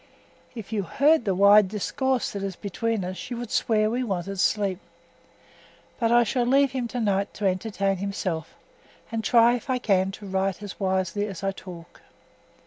If you heard the wise discourse that is between us, you would swear we wanted sleep; but I shall leave him to night to entertain himself, and try if I can write as wisely as I talk.